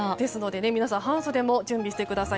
半袖も準備してください。